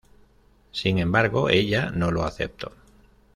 Sin embargo, ella no lo aceptó.